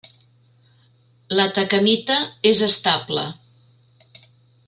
L'atacamita és estable.